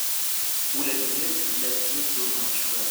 Ula d nekk la ttnuddumeɣ cwiṭ.